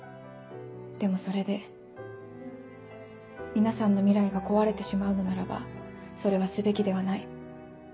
でもそれで皆さんの未来が壊れてしまうのならばそれはすべきではない。